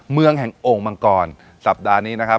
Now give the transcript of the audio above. เมืองแห่งโอ่งมังกรสัปดาห์นี้นะครับ